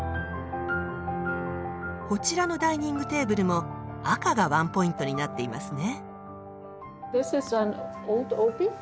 こちらのダイニングテーブルも赤がワンポイントになっていますね。